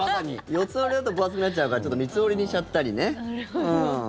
四つ折りだと分厚くなっちゃうからちょっと三つ折りにしちゃったりね。